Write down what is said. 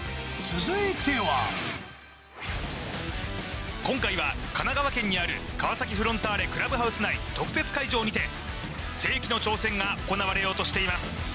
続いては今回は神奈川県にある川崎フロンターレクラブハウス内特設会場にて世紀の挑戦が行われようとしています